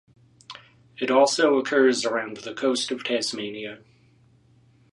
It also occurs around the coast of Tasmania.